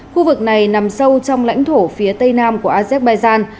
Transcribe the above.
khu vực này nằm sâu trong lãnh thổ phía tây nam của azerbaijan